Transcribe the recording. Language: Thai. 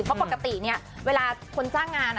เพราะปกติเนี่ยเวลาคนจ้างงาน